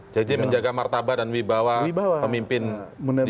jadi menjaga martabat dan wibawa pemimpin di negara ini